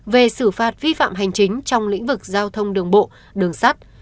về xử phạt vi phạm hành chính trong lĩnh vực giao thông đường bộ đường sắt